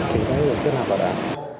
thì mới được kết nạp đảng